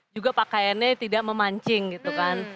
juga pakaiannya tidak memancing gitu kan